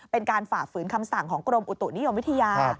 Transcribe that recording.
ฝ่าฝืนคำสั่งของกรมอุตุนิยมวิทยา